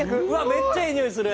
めっちゃいいにおいする！